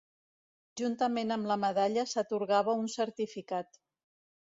Juntament amb la medalla s'atorgava un certificat.